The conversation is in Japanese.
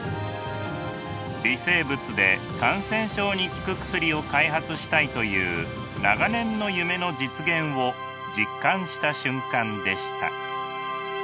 微生物で感染症に効く薬を開発したいという長年の夢の実現を実感した瞬間でした。